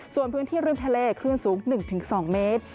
ส่วนพื้นที่ริมทะเลคลื่นสูง๑๒เมตร